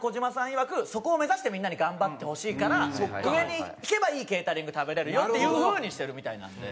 いわくそこを目指してみんなに頑張ってほしいから上に行けばいいケータリング食べれるよっていう風にしてるみたいなんで。